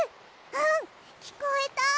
うんきこえた！